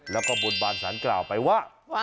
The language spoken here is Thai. แล้วก็บทบาทสรรเกล่าไปว่า